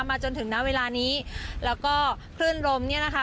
มาจนถึงน้ำเวลานี้แล้วก็ขึ้นลมเนี่ยนะคะ